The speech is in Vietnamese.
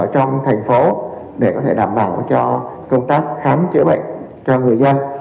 trong thành phố để có thể đảm bảo cho công tác khám chữa bệnh cho người dân